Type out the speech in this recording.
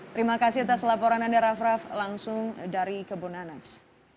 terima kasih atas laporan anda raff raff langsung dari kebunanas